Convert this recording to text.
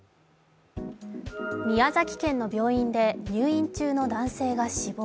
宮崎県の病院で入院中の男性が死亡。